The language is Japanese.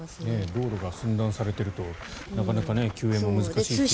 道路が寸断されているとなかなか救援も難しいでしょうし。